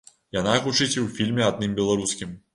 Яна гучыць і ў фільме адным беларускім.